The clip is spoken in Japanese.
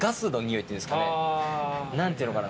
何ていうのかな